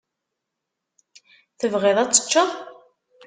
Tebɣid ad teččeḍ?